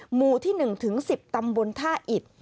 หมู่ที่๑ถึง๑๐ตำบลท่าอิด